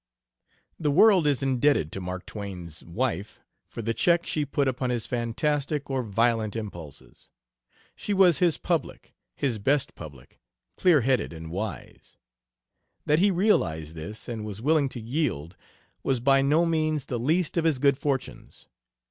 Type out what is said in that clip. The world is indebted to Mark Twain's wife for the check she put upon his fantastic or violent impulses. She was his public, his best public clearheaded and wise. That he realized this, and was willing to yield, was by no means the least of his good fortunes.